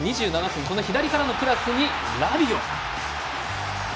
２７分、左からのクロスにラビオ。